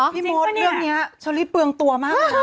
พี่มดเรื่องนี้เชอรี่เปลืองตัวมาก